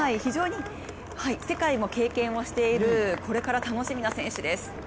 世界も経験しているこれから楽しみな選手です。